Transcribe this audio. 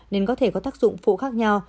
nên có thể có tác dụng phụ khác nhau